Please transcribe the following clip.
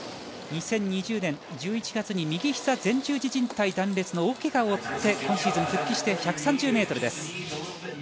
２０２０年１１月に右膝前十字靭帯断裂の大ケガを負って今シーズン復帰して１３０ｍです。